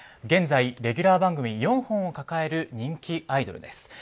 現在レギュラー番組４本を抱える人気アイドルです。